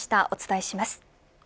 お伝えします。